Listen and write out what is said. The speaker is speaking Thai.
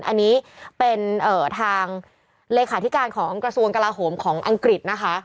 อันนี้เป็นทางเลขาธิการของกระทรวงกลาโหมของอังกฤษนะคะ